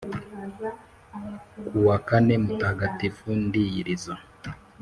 Kuwa kane mutagatifu ndiyiriza